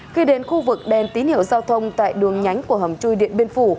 khi đến khu vực đèn tín hiệu giao thông tại đường nhánh của hầm chui điện biên phủ